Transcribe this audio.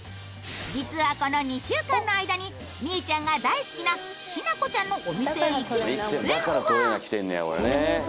実はこの２週間の間にみうちゃんが大好きなしなこちゃんのお店へ行き出演オファー。